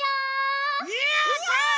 やった！